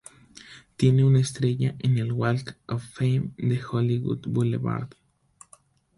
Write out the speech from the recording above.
Tiene una estrella en el "Walk of Fame" de Hollywood Boulevard.